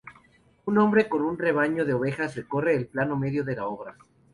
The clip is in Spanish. Un hombre con un rebaño de ovejas recorre el plano medio de la obra.